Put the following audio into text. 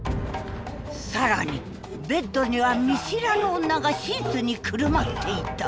更にベッドには見知らぬ女がシーツにくるまっていた。